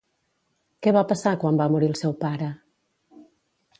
Què va passar quan va morir el seu pare?